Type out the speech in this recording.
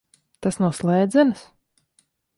Tas no slēdzenes?